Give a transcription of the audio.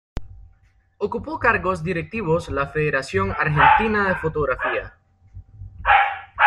Ocupó cargos directivos la Federación Argentina de Fotografía.